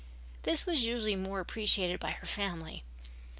This was usually more appreciated by her family.